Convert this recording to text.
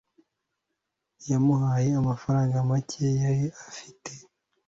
yamuhaye amafaranga make yari afite